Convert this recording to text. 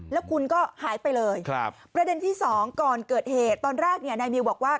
แล้วคุณก็หายไปเลยประเด็นที่สองก่อนเกิดเหตุตอนแรกเนี่ยนายมิวบอกว่า